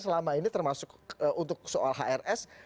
selama ini termasuk untuk soal hrs